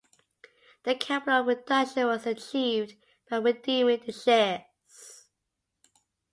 The capital reduction was achieved by redeeming the shares.